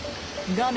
画面